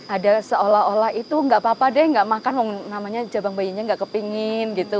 ada seolah olah itu enggak apa apa deh enggak makan namanya jabang bayinya enggak kepingin gitu